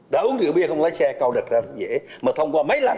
đã uống rượu bia không lái xe câu đặt ra rất dễ mà thông qua mấy lần